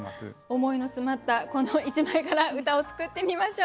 思いの詰まったこの１枚から歌を作ってみましょう。